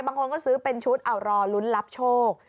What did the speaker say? บางคนก็ซื้อเป็นชุดเอารอลุ้นรับโชค